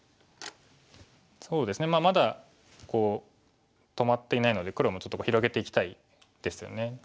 そうですねまあまだこう止まっていないので黒もちょっと広げていきたいですよね。